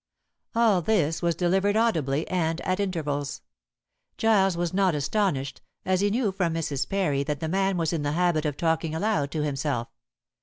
All this was delivered audibly and at intervals. Giles was not astonished, as he knew from Mrs. Parry that the man was in the habit of talking aloud to himself.